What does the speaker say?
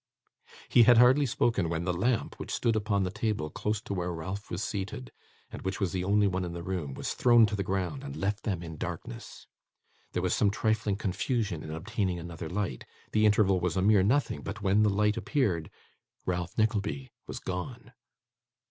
He had hardly spoken, when the lamp, which stood upon the table close to where Ralph was seated, and which was the only one in the room, was thrown to the ground, and left them in darkness. There was some trifling confusion in obtaining another light; the interval was a mere nothing; but when the light appeared, Ralph Nickleby was gone.